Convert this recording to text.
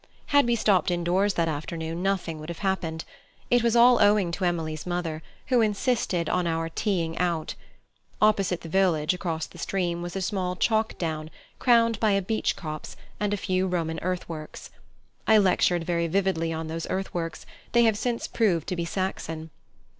Had we stopped indoors that afternoon nothing thing would have happened. It was all owing to Emily's mother, who insisted on our tea ing out. Opposite the village, across the stream, was a small chalk down, crowned by a beech copse, and a few Roman earth works. (I lectured very vividly on those earthworks: they have since proved to be Saxon).